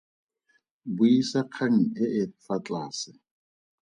Buisa kgang e e fa tlase.